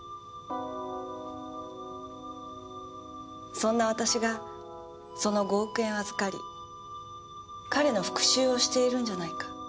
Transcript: そんな私がその５億円を預かり彼の復讐をしているんじゃないか。